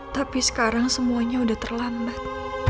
tapi sekarang semuanya sudah terlambat